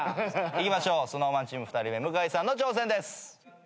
いきましょうＳｎｏｗＭａｎチーム２人目向井さんの挑戦です。